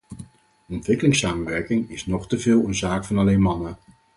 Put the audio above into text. Ontwikkelingssamenwerking is nog te veel een zaak van alleen mannen.